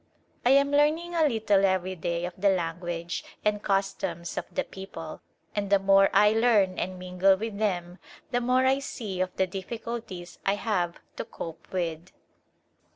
I am learning a little everv day of the language and customs of the people and the more I learn and min gle with them the more I see of the difficulties I have to cope with.